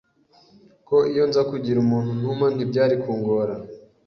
ko iyo nza kugira umuntu ntuma ntibyari kungora